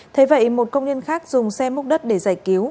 thế vậy một công nhân khác dùng xe múc đất để giải cứu